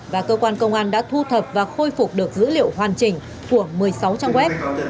và cơ quan công an đã thu thập và khôi phục được dữ liệu hoàn chỉnh của một mươi sáu trang web